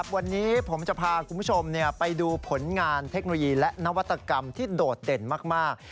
วันนี้ผมจะพาคุณผู้ชมไปดูผลงานเทคโนโลยีและนวัตกรรมที่โดดเด่นมาก